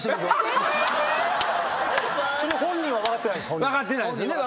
その本人は分かってないです。